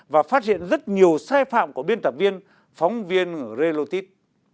và phát hiện rất nhiều sai phạm của biên tập viên phóng viên relotip